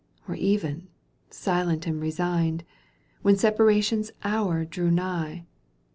Or even, silent and resigned. When separation's hour drew nigh.